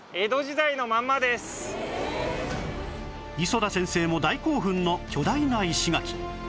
磯田先生も大興奮の巨大な石垣